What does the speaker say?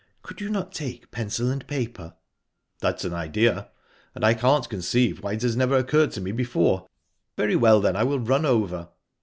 "Could you not take pencil and paper?" "That's an idea, and I can't conceive why it has never occurred to me before. Very well, then; I will run over."